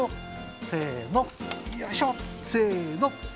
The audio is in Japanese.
せの！